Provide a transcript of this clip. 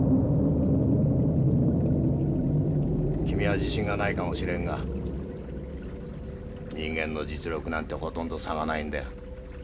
君は自信がないかもしれんが人間の実力なんてほとんど差がないんだよ。